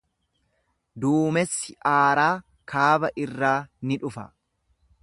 Duumessi aaraa kaaba irraa ni dhufa.